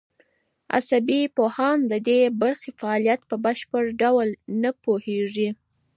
عصبي پوهان د دې برخې فعالیت په بشپړ ډول نه پوهېږي.